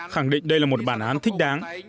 khẳng định đây là một bản án thích đáng